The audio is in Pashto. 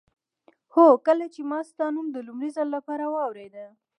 هو کله چې ما ستا نوم د لومړي ځل لپاره واورېده.